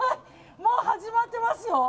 もう始まってますよ！